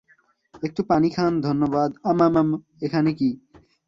একটু পানি খান ধন্যবাদ ম্মম্মম এখানে কি?